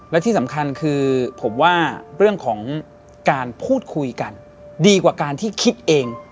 และที่สำคัญคือผมว่าเรื่องของการพูดคุยกันดีกว่าการที่คิดเอง